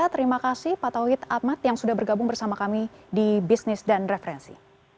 terima kasih pak tauhid ahmad yang sudah bergabung bersama kami di bisnis dan referensi